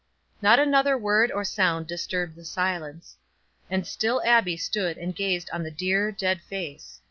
Not another word or sound disturbed the silence. And still Abbie stood and gazed on the dear, dead face.